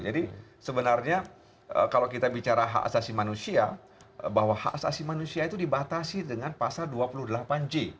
jadi sebenarnya kalau kita bicara hak asasi manusia bahwa hak asasi manusia itu dibatasi dengan pasal dua puluh delapan j